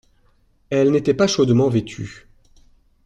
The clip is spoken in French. Elle n’était pas chaudement vêtue.